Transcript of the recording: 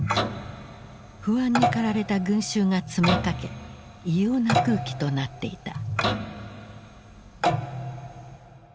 不安に駆られた群衆が詰めかけ異様な空気となっていた。